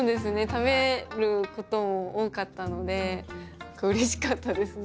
食べること多かったのでうれしかったですね。